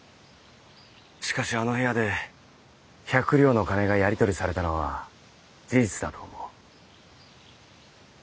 しかしあの部屋で百両の金がやり取りされたのは事実だと思う。